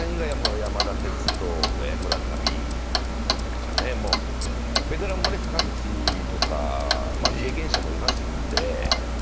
山田哲人、村上、ベテランも坂口とか経験者もいますので。